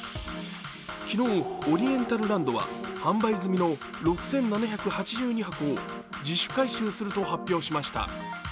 昨日、オリエンタルランドは販売済みの６７８２箱を自主回収すると発表しました。